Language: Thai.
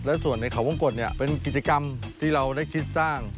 และส่วนในเขาวงกฎเนี่ยเป็นกิจกรรมที่เราได้คิดสร้าง